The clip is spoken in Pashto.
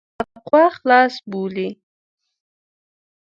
له تقوا خلاص بولي.